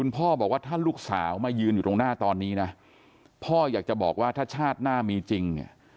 พ่ออยากจะบอกว่าถ้าชาติหน้ามีจริง